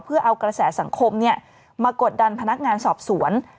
เพื่อเอากระแสสังคมมากดดันพนักงานสอบสวน